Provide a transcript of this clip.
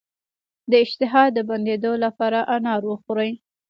د اشتها د بندیدو لپاره انار وخورئ